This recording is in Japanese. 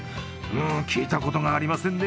聞いたことがありませんね。